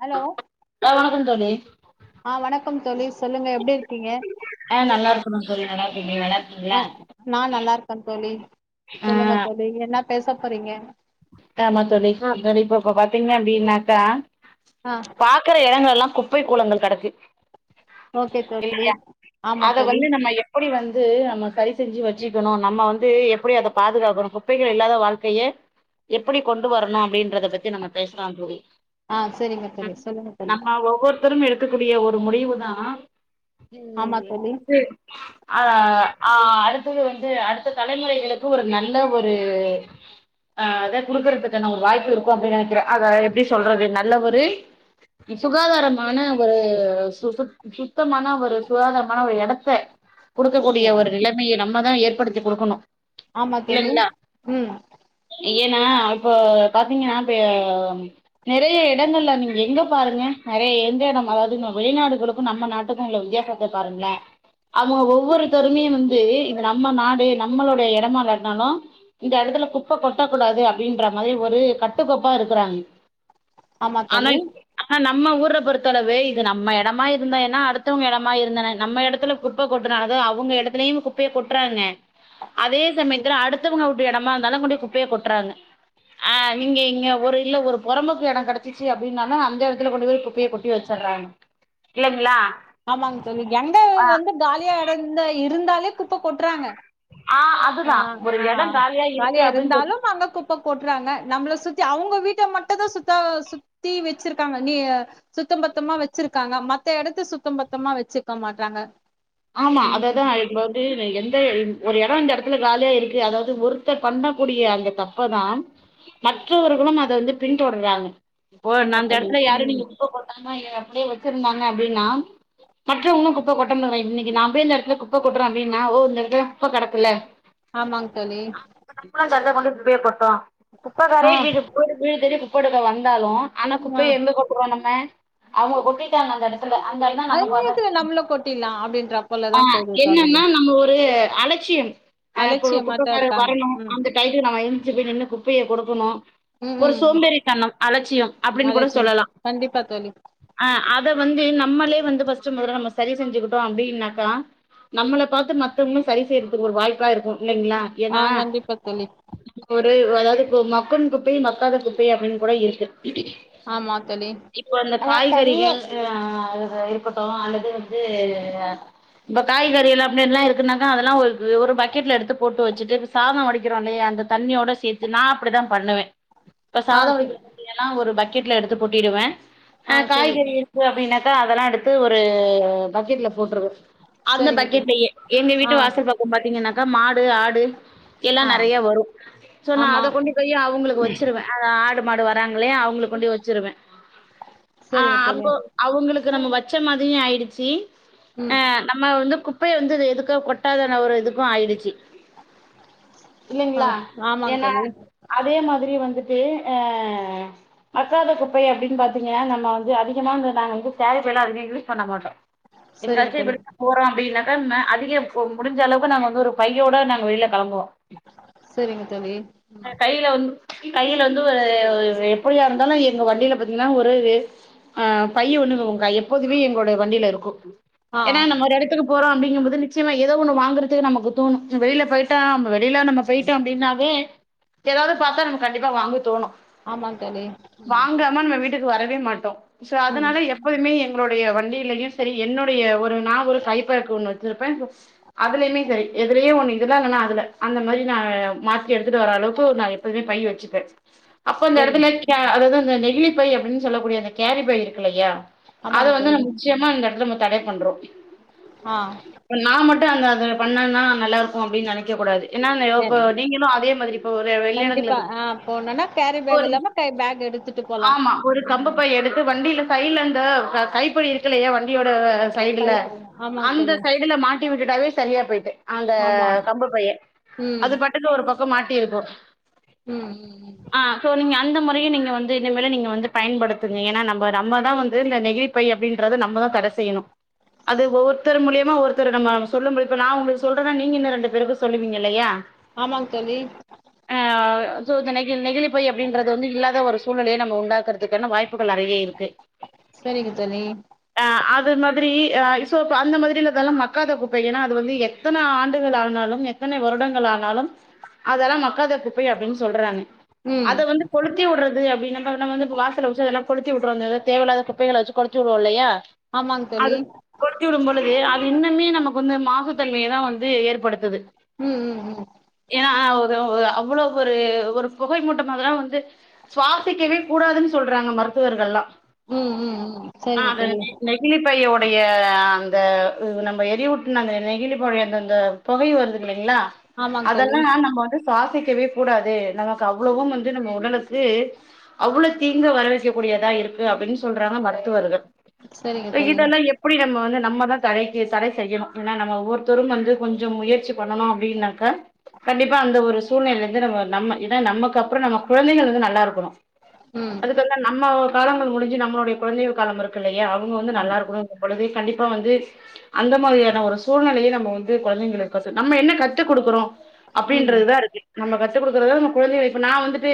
Hello hello வணக்கம் தோழி ஆ வணக்கம் தோழி சொல்லுங்க எப்டி இருக்கீங்க? ஆ நல்லா இருக்கறோ தோழி நல்லா இருக்கீங்க நல்லா இருக்கீங்களா ஆ நா நல்லா இருக்கன் தோழி சொல்லுங்க தோழி என்ன பேச போறீங்க? காமா தோழி இப்ப வி இப்பப்ப பாத்தீங்கன்னா அப்டினாக்கா ஆ பாக்குற எடங்கள் எல்லா குப்பை கூளங்கள் கெடக்கு ஓகே தோழி இல்லையா ஆமா அத தோழி வந்து நம்ம எப்படி வந் ந்து நம்ம சரி செஞ்சி வச்சிக்கணு நம்ம வந்து எப்படி அத பாதுகாக்கணு குப்பைகள் இல்லாத வாழ்க்கையே எப்படி கொண்டு வரணு அப்டின்றத பத்தி நம்ம பேசலாம் தோழி ஆ செரிங்க தோழி ம் சொல்லுங்க தோழி நம்ம ஒவ்வொருத்தரும் இருக் க்கக்கூடிய ஒரு முடிவுதா ம் ஆமா தோழி இது அது ஆ ஆ அடுத்தது வந்து அடுத்த தலைமுறைகளுக்கு ஒரு நல்ல ஒரு ஆ அதா குடுக்குறதுக்கான ஒரு வாய்ப்பு இருக்கு அப்டின்னு நெனைக்கிறே அத எப்டி சொல்றது நல்ல ஒரு சுகாதாரமான ஒரு சு சுத் சுத்தமான ஒரு சுகாதாரமான ஒரு எடத்த குடுக்கக் கூடிய ஒரு நிலமைய நம்மதா ஏற்படுத்தி குடுக்கணு. ஆமா தோழி இல்லைங்களா ம் ஏன்னா இப்போ பாத்தீங்கன்னா இப்ப நெறைய இடங்கள்ல நீங்க எங்க பாருங்க நெறைய எந்த இடம் அதாவது ந்த வெளிநாடுகளுக்கு நம்ம நாட்டுக்கு உள்ள வித்தியாசத்த பாருங்குள அவுங்க ஒவ்வொருத்தருமே வந்து இது நம்ம நாடு நம்மளோடைய எடமா இல்லாட்னாலு இந்த எடத்துல குப் ப்ப கொட்டக்கூடாது அப்படின்ற மாதிரி ஒரு கட்டுக்கோப்பா இருக்குறாங் ஆமா தோழி ஆனைல் ஆனா நம்ம ஊர பொறுத்தளவு இது நம்ம எடமா இருந்தா என்ன அடுத்தவுங்க எடமா இருந்தான்ன நம்ம எடத்துல குப்ப கொட்டனு அத அவுங்க எ டத்துலயு குப்பைய கொட்டுறாங்க அதே சமயத்துல அடுத்தவங்க வூட்டு எடமா இருந்தாலு கொண்டு போ குப்பைய கொட்றாங்க ஆ நீங்க இங்க ஒரு இல்ல ஒரு பொறம்போக்கு எடோ கெடச்சிச்சி அப்படின்னாலு அந்த எடத்துல கொண்டு போய் குப்பைய கொட்டி வச்சர் ராங்க இல்லைங்ளா ஆமாங்க தோழி எங்க வந்து காலியா எடோ இருந்த இருந்தாலே குப்ப கொட்றாங்க. ஆ ஆ அதுதா ஒரு ஆ எடோ இருக்கு காலியா அப்டின்னு இருந்தாலும் அங்க குப் ப்ப கொட்டுறாங்க நம்மள சுத்தி அவுங்க வீட்ட மட்டுந்தா சுத்தா சுத்தி வச்சிருக்காங்க நீ சுத்த பத்தமா வச்சிருக்காங்க மத்த எடத்த சுத்தம் பத்தமா வச்சிக்க மாட்றாங்க. ஆமா ம் அததா [unintelligible] வந்து இந்த எந் த ன் ஒரு எடோ இந்த எடத்துல காலியா இருக்கு அதாவ்து ஒருத்தர் பண்ணக்கூடிய அந்த தப்பதா மற்றவர்களும் அத வந்து பின் தொடர்றாங்க இப்போ ஆமா நா அந்த தோழி எடத்துல யாரும் ம் நீங்க குப்ப போட்டா டாம ஏ அப்டியே வச்சிருந்தாங்க அப்டின்னா மற்றவங்களு குப்ப கொட்டமாட்றாங்க இன்னைக் கு நா போய் இந்த எடத்துல குப்ப கொட்டுற அப்படின்னா ஓ இந்த எடத்துல குப்ப கெடக்குல்ல ஆமாங் தோழி குப்பய கொட்றோ குப்ப ஆ காரியே வீட்டு [inaudible] வீடு தேடி குப்ப எடுக்க வந்தாலு ஆனா ஆ குப்பய எங்க கொட்டுவோ நம்ம அவுங்க கொட்டிட்டாங்கா அந்த எட த்துல அந்த எணணோ அது நமக்கு நேரத்துல வர்றதுக்கு நம்மள கொட்டிட்லா அப்டின்ற ஆ போலதா போது தோழி என்னன்னா நம்ம ஒரு அலட்சியம் ஆ இப்ப அலட்சியமாட்டா குப்பக்காரர் இருக்காங்க வரணு ம் அந்த டயத்துக்கு நம்ம எந்துச்சி போய் நின்னு குப்பைய குடுக்கணு ம் ஒரு ம் சோம்பேறி தனம் அலட்சியம் அப்டின்னு கூட அலட்சியம் சொல்லலா கண்டிப்பா தோழி ஆ அப் மொத வந்து நம்மளே வந்து ஃபர்ஸ்ட் மொதல்ல நம்ம சரிசெஞ்சிக்கிட்டோ அப்டி னாக்கா நம்மள பாத்து மத்தவங்களு சரி செய்றதுக்கு ஒரு வாய்ப்பா இருக்கு. இல்லைங்களா ஆ ஏன்னா கண்டிப்பா தோழி [inaudible] து வதாவ்து ப்ப மக்கும் குப்பை மக்காத குப்பை அப்டின்னு கூட இருக்கு ஆமாத் தோழி இப்போ அந்த காய்கறிகள் அ இருக்கட்டு அல்லது வந்து இப காய்கறிகள் அப்படின்லா இருக்குனாக்க அதெல்லா ஒரு ஒரு பக்கெட்ல எடுத்து போட்டு வச்சுட்டு இப்ப சாதொ வடிக்கிறோல்லை யா அந்த தண்ணியோட சேத்து நா அப்படிதா பண்ணுவே இப்ப ஆ சாத சரி வடிக்கிற கஞ்சி எல்லா ஒரு பக்கெட்ல எடுத்து கொட்டிடுவே அ ஆ சரி காய்கறி இருக்கு அப்படின்னாக் ட அதெலா எடுத்து ஒரூ பக்கெட்ல போட்ருவே அந்த சரிங்க தோழி பக்கெட்டையே எங்க வீட்டு ஆ வாசல் பக்கொ பாத்திங்கனாக்கா மாடு ஆடு எல்லா ஆ நெறைய வரு சோ நா ஆமா அத கொண்டி பொயி அவ்ங்ளுக்கு வச்சிருவே ஆடு மாடு வராங்களே அவ் அவுங்ளுக் கொண்டிய் வச்சிருவே அ சரிங்க தோழி அப்பொ அவுங்களுக் க்கு நம்ம வச்ச மாதியு ஆயிடுச்சி ம் ஆஹ் நம்ம வந்து குப்பைய வந்து இதெதுக்க கொட்டாதான ஒரு இதுக்கு ஆயிடுச்சி ஆ இல்லிங்ளா ஆமாங்க ஏனா தோழி அதே மாதிரி வந்துட்டு அஹ் மக்காத குப்பை அப்டின் பாத்திங்கனா நம்ம வந்து அதிகமானது நாங்க வந்து கேரிப்பைலா அதிகோ யூஸ் பண்ண மாட்டோ சரிங்க எங்காச்சும் தோழி இப்ரிதா போறோ அப்டின்னாக்கா ம அதிக ஃபொ முடிஞ்ச அளவ்க்கு நாங்க வந்து ஒரு பையோடு நாங்க வெளிலெ கெளம்புவோ செரிங்க தோழி கையில வந்து கையில வந்து வவ் எப்டியா இருந்தாலு எங்க வண்டில பாத்திங்கனா ஒரு வேஸ் ஆஹ் பையி ஒண்ணுங்குங்க்கா எப்போதுமே எங்ளோடை வண்டியில இருக்கூ ஆ ஏனா நம்ம ஒரு எடத்துக்கு போறோ அப்டிங்கும் போது நிச்சயமா ஏதோ ஒண்ணு வாங்குறதூ நமக்கு தோணூ வெளில பொயிட்டா நம்ம வெளில நம்ம பொயிட்டோ அப்டின்னாவே ஏதாவது பாத்தா நம்ம கண்டிப்பா வாங்க தோணு ஆமாங்க தோழி வாங்காம நம்ம வீட்டுக்கு வரவே மாட்டோ சோ ம் அதனால எப்பொழுமே எங்ளோடைய வண்டிய்லயு சரி என்னோட் பையெ ஒரு நா ஒரு கைப்பேக் ஒண்ணு வச்சிருப்பே அதுலயுமே கை எதுலயே ஒண்ணு இதுன்னா இல்லனா அதுல அந்த மாரி நா மாத்தி எடுத்துட்டு வர அளவுக்கு நா எப்போதுமே பை வச்சுப்பே அப்பந்த சரி எடத்துலைக்யா அதாது அந்த நெகிழிப்பை அப்டின்னு சொல்லக்கூடிய அந்த கேரிப்பை இருக்குலையா அத ஆமாங்க வந்து ந தோழி நிச்யமா அந்த எடத்துல நம்ம தடை பண்றோ ஆ இப்ப நா மட்டு அந்த அத பண்ணென்னா நல்லா இருக்கு அப்டின் நெனைக்க கூடாது என்னா அந்த யோ சரி போ நீங்களூ அதே மாதிரி இப்ப ஒரு கண்டிப்பா வெளியெடங்களுக்கு ஆ போனோனா கேரி பேக் போரிங் இல்லாம கை பேக் எடுத்துட்டு போலாம் ஆமா ஒரு ம் கம்புப்பை எடுத்து வண்டில சைலந்தே க கைப்படி இருக்குலைக வண்டியோட சைடுல கை ஆமாங்க அந்த தோழி சைடுல மாட் ட்டி விட்டுட்டாவே சரியா பொயிட்டு ஆந்த ஆமா கம்பு பையி ம் அது பாட்டுக்க ஒரு பக்கொ மாட்டியிருக்கூ ம் ம் ம். ஆஹ் சோ நீங்க இந்த மொறைய நீங்க வந்து இனிமேலு நீங்க வந்து பயன்படுத்துங்க ஏனா நம்ப நம்மதா வந்து இந்த நெகிழிப்பை அப்டின்றது நம்மதா தடஸ் செய்யணூ அது ஒவ்வொர்த்தரு மூலியமா ஒருத்தரு நம்ம சொல்லும்போல் இப்ப நா ஒங்ளுக்கு சொல்றனா நீங்க இன்னு ரெண்டு பேருக்கு சொல்லுவிங்கில்லையா ஆமாங் தோழீ சோ தனைக்கி நெகிழிப்பை அப்டின்றது வந்து இல்லாத ஒரு சூழ்நெலய நம்ம உண்டாக்றதுக்கான வாய்ப் ப்புகள் நெறைய்ய இருக்கு சரிங்க தோழி ஆ அத் மாத்ரீ அ இசோப் அந்த மாதிரில்லதெல்லா மக்காத குப்பை ஏனா அது வந்து எத்தன ஆண்டுகள் ஆனாலும் எத்தனை வருடங்கள் ஆனாலும் அதெல்லாம் மக்காத குப்பை அப்டின் சொல்றாங்க ம் அத வந்து கொளுத்தி உட்றது அப்டீ நம்ப ந வந்து இப்ப வாசல வச்சு அதெல்லா கொளுத்தி விட்றோ அந்தத தேவையில்லாத குப்பைகள வச்சி கொளுத்தி விட்றோல்லையா ஆமாங்க அது தோழி கொளுத்தி விடும் பொழுது அது இன்னுமே நமக்கு வந்து மாசு தன்மையதா வந்து ஏற்படுத்துது ம் ம் ம் ஏனா அவ் தோவு அவ்வளவ் ஒரு ஒரு பொகை மூட்டமால்லா வந்து சுவாசிக்கவே கூடாதுன் சொல்றாங்க மரு த்துவர்கள்லா ம் ம் ம் ஆ சரிங்க அத தோழி நேத்து நை பையோடையே அந்த நம்ம எரியூட்ன அந்த நெகிழி போடை அந்தந்த பொகை வருது இல்லைங்ளா ஆமாங்க தோழி அதெல்லா நம்ம வந்து சுவாசிக் கவே கூடாது நமக்கு அவ்வளவும் வந்து நம்ம உடலுக்கு அவ்வளோ தீங்கு வர வைக்கக்கூடியதா இரு க்கு அப்டின் சொல்றாங்க மருத்துவர்கள் சரிங்க அ தோழி இதெல்லா எப்டி நம்ம வந்தந்த் நம்ம தா தடைக்கி தடை செய்யணு எனா நம்ம ஒவ்வொருத்தரும் வந்து கொஞ்சம் முயற்சி பண்ணுணோ அப்டின்னாக்கா கண்டிப்பா அந்த ஒரு சூழ்நிலைந்து நம்ம நம்ம ஏனா நம்மக்கப்றொ நம்ம குழந்தைகள் வந்து நல்லாருக்கணூ ம் அதுக்கு வந்த நம்ம காலங்கள் முடிஞ்சு நம்மளுடைய குழந்தைகள் காலம் இருக்கு இல்லையா அவுங்க வந்து ஆமா நல்லாருக்கனுங்கும்பொழுது கண்டிப்பா வந்து அந்த மாதிரியான ஒரு சூழ்நிலைய நம்ம வந்து கொழைந்தைங்களுக்கொசு நம்ம என்ன கத்து குடுக்குறோ ம் அப்டின்றதுதா இருக்கு நம்ம கத் கத்து குடுக்குறதா நம்ம குழந்தைகள் நா வந்துட்டு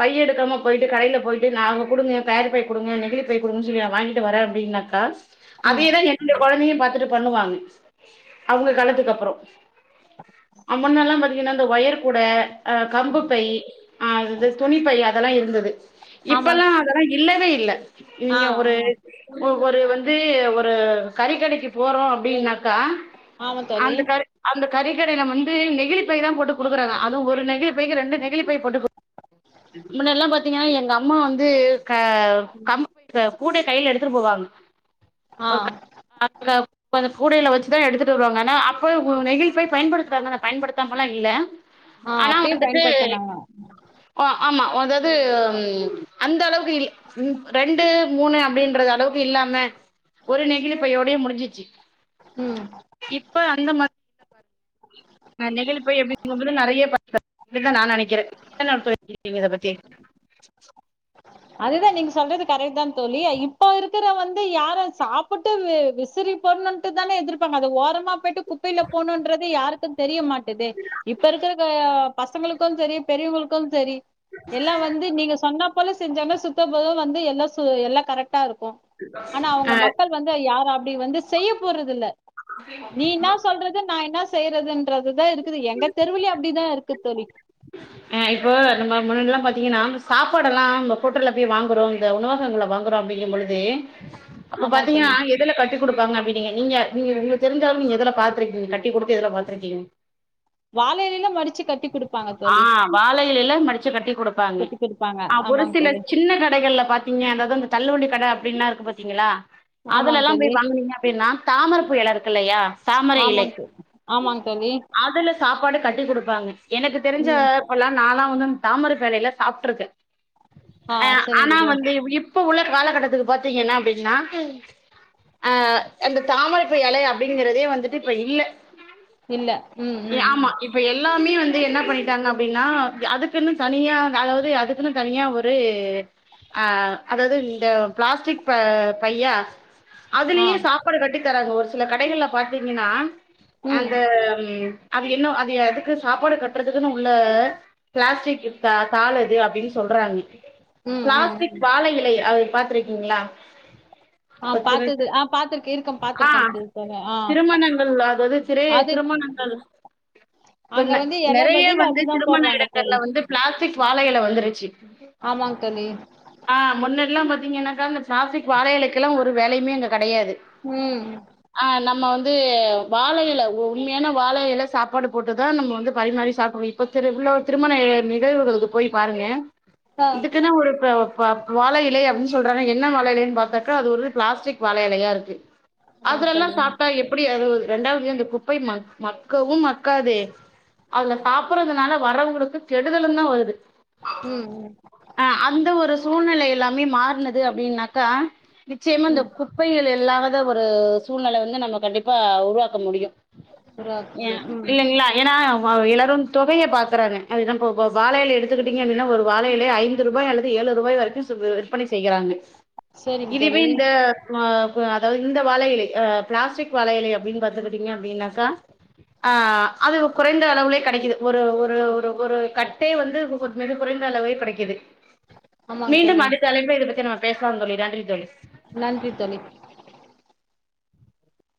பைய எடுக்காம போயிட்டு கடையில போயிட்டு நா குடுங்க கேரிப்பை குடுங் க நெகிழிப்பை குடுங்கனு சொல்லி நா வாங்கிட்டுவரேன்னாக்கா ம் அதையே தா என்னோட குழந்தையும் பாத்துட்டு பண்ணுவாங்க அவுங்க காலத்துக்கு அப்புறோ அ முன்னல்லாம் பாத்தீங்கன்னா அந்த ஒயர் கூட அ கம்பு பையி அ அது இது துணி பைய் அதெல்லா இருந்தது ஆமா இப்பல்லா அதெல்லா இல்லவே இல் இல்ல ஆ நீங்க ஒரு ஆமா ஒரு வந்து ஒரு கறிக்கடைக்கு போறோ அப்டின்னா கா ஆமா தோழி அந்த கறி அந்த கறிகடையில வந்து நெகிழிப்பை தா போட்டு குடுக்குறாங்க அதுவு ஒரு நெகிழிப்பைக்கு ரெண்டு நெகிழிப்பை போட்டு கு முன்னாடில்லா பாத்தீங்கன்னா எங்க அம்மா வந்து க கம் கூடைய கையில எடுத்துட்டு போவாங்க [inaudible] ஆ கூடையில வச்சுதா எடுத்துட்டு வருவாங்க ஆனா அப்போவே நெகிழ் பை பயன்படுத்துவாங்க பயன்படுத்தாமலா இல்ல ஆ ஆனா அப்பயே வந்துட்டு பயன்படுத்துனாங்க அ ஆமா அதாது ம் ம் அந்த அளவுக்கு இல் ரெண்டு மூணு அப்டின்றத இல்லாம ஒரு நெகிழிப்பையோடையே முடிஞ்சிச்சி ம் இப்ப அந்த மாத் அ நெகிழி பை எப்டி [inaudible] நெறைய [inaudible] தா நான் நெனைக்கிறே நீங்க என்ன நெனைக்கிறீங்க இத பத்தி [unintelligible] அதுதா நீங்க சொல்றது கரெக்ட் தா தோழி இப்ப இருக்குற வந்து யாரும் சாப்புட்டு விசிறி தூக்கி போட்னுன்ட்டு தானே எதிர்பாங்க அத ஓரமா போயிட்டு குப்பைல போட்னோன்றது யாருக் க்கு தெரிய மாட்டுதே இப்ப இருக்குற க பசங்களுக்கும் செரி பெரியவங்களுக்கும் செரி எல்லா வந்து நீங்க சொன்னா போல செஞ்சாங்னா சுத்த போதுவா வந்து எல்லா சு எல்லா கரெக்ட் கரெக்டா இருக்கு ஆனா அவுங்க ஆ மக்கள் வந்து யாரோ அப்டி வந்து செய்ய போறது இல்ல நீ இன்னா சொல்றது நா என்னா செய்யறதுன்றது தா இருக்குது எங்க தெருவுலேயே அப்டிதா இருக் கு தலிக் அ இப்போ நம்மோ முண்ணாடியெல்லா பாத்தீங்கன்னா சாப்பாடெல்லா நம்ப ஹோட்டல்ல போய் வாங்குறோ இந்த உணவகங்கள்ல வாங்குறோ அப்டிங்கும் பொழுது அப்ப ஆமா பாத்தீங்கனா தோழி எதுல கட்டி குடுப்பாங்க அப்டினீங்க நீங்க நீங்க உங்க தெரிஞ்சாலு நீங்க எதுல பாத்திருக்கீங்க கட்டி குடுத்து எதுல பாத்திருக்கீங்க வாழ எலையில மடிச்சி கட்டி குடுத் ஆ வாழஇலையில மடிச்சி கட்டி குடுப்பாங்க கட்டி குடுப்பாங்க அ ஒரு ஆமாங் சில தோழி சின்ன கடைகள்ல பாத்தீங்க அந்த இத அந் தள்ளுவண்டி கட அப்டின்னா இருக்கு பாத்தீங்களா அதுல ஆமாங் எல்லாம் தோழி போய் வாங்கனீங்க அப்டின்னா தாமர பூ எல இருக்கு இல்லையா தாமரை இலை ஆமாங் தோ ஆமாங் தோழி அதுல சாப்பாடு கட் டி கொடுப்பாங்க எனக்கு ம் தெரிஞ்சப்பல்லா நா ல வந்து தாமரை பூ எலையில சாப்டிருக்கே ஆ அ சரிங்க ஆனா தோழி வந்து இப்ப உள்ள காலகட்டத்துக்கு பாத்தீங்கன்ன அப்டின்னா ஆ அந்த தாமரைப்பூ இலை அப்டிங்கறதே வந்துட்டு இப்ப இல்ல இல்ல ம் இ ம் ஆமா ம் இப்ப எல்லா என்ன பண்ணிட்டாங்க அப்டின்னா அதுக்குன்னு தனியா வேற ஒரு அதுக்குன்னு தனியா ஒரு அ அதாவது இந்த பிளாஸ்டிக் ப பையா ஆ அதுலயே சாப்பாடு கட்டி தராங்க ஒரு சில கடைகள்ல பாத்தீங்கன்னா ம் அந்த ம் அது என்னோ அது எதுக்கு சாப்பாடு கட் ற்றதுக்குன்னு உள்ள பிளாஸ்டிக் தா தாள் அது அப்டின்னு சொல்றாங்க ம் ம் பிளாஸ்டிக் ம் வாழை இலை அது பாத்திருக்கீங்களா ஆ பாத்தது ஆ பாத்திருக்கே இருக்கே ஆ பாத்திருக்கே தோழி தோழி ஆ திருமணங்கள் ஆவது சிறைய அது திரும போ நம்பல் அங்க வந்து எல நிறைய பதில் வந்து அதுதா திருமண போடுறாங்க இடங்கள்ல தோழி வந்து பிளாஸ்டிக் வாழையிலை வந்துருச்சி ஆமாங் தோழி ஆ முன்னடிலாம் பாத் பாத்தீங்கனாக்கா அந்த ப்ளாஸ்டிக் வாழ எலைக்கெல்லா ஒரு வேலையுமே அங்க கெடையாது ம் அ நம்ம வந் து வாழ எல உண்மையான வாழ எல சாப்பாடு போட்டுதா நம்ம வந்து பரிமாறி சாப்ட்ரு இப்போ கிற இவ்ளோ திருமண நிகழ்வுகளுக்கு போய் பாருங்க ஆ இதுக்குன்னு ஒரு வ வாழ இலை அப்டின் சொல்றாங்கா என்ன வாழ இலைன்னு பாத்தாக்கா அது ஒரு ப்ளாஸ்டிக் வாழ எலையாருக்கு ஆமாங் அதுலெல்லா தோழி சாப்ட்டா எப்படி அது ஒரு ரெண்டாவுது அந்த குப்பை ம மக்கவு மக்காதே அதுல சாப்பிடுறதுனால வரவுங்களுக்கு கெடுதலுந்தா வருது ம் ம் அ அந்த ஒரு சூழ்நிலை எல்லாமே மாற்னது அப்டின்னா க்கா நிச்சியமா இந்த ம் குப்பைகள் இல்லா த ஒரு சூழ்நெல வந்து நம்ம கண்டிப்பா உருவாக்க முடியு உருவாக்க ஏ முடியும் ம் இல்லிங்ளா ஏனா வ எல்லாரு தொகையை பாக்குறாங்க அதுதா இப்போ போ வாழ எலய எடுத்துக்கிட்டீங்க அப்டீனா ஒரு வாழ இலை ஐந்து ரூபாய் அல்லது ஏழு ரூபாய் வரைக்கு வ் விற்பனை செய்யிறாங்க சேரிங்க இதுவே தோழி இந்த அ அ அதாவ்து இந்த வாழை இலை அ ப்ளாஸ்டிக் வாழையிலை அப்டின் பாத்துக்கிட்டீங்க அப்டீன்னாக்கா அ அது குறைந்த அளவுலே கெடைக்குது ஒரு ஒரு ஒரு ஒரு கட்டே வந்து மு மிக குறைந்த அளவே கெடைக்குது ஆமாங்க மீண்டும் தோழி அடுத்த அழைப்பை இது பத்தி நம்ம பேஸ்லா தோழி நன்றி தோழி நன்றி தோழி